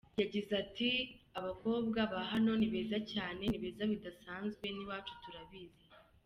Yagize ati “Abakobwa ba hano ni beza cyane, ni beza bidasanzwe n’iwacu turabizi.